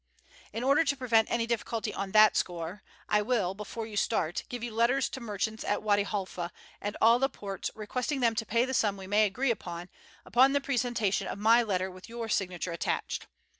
In order to prevent any difficulty on that score, I will, before you start, give you letters to merchants at Wady Halfa and all the ports requesting them to pay the sum we may agree upon, upon the presentation of my letter with your signature attached.